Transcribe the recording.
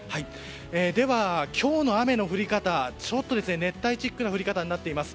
では、今日の雨の降り方ちょっと熱帯チックな降り方になっています。